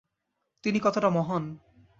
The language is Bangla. তিনি কতটা মহান?